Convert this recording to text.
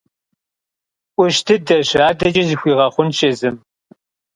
Ӏущ дыдэщ, адэкӀэ зэхуигъэхъунщ езым.